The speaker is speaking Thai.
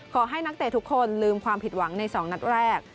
ขอให้นักเตะทุกคนลืมความผิดหวังใน๒นัดแรก